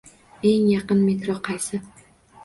Eng yaqin metro qaysi?